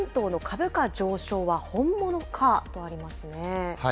８連騰の株価上昇は本物かとありますね。